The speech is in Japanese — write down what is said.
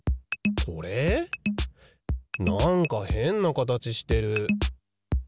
なんかへんなかたちしてる。